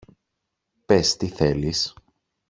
Πες, τι θέλεις;